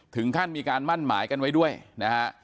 ถึงขั้นมีการมั่นหมายกันไว้ด้วยนะฮะ